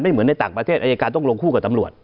เหมือนในต่างประเทศอายการต้องลงคู่กับตำรวจ